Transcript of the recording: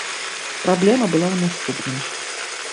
Праблема была ў наступным.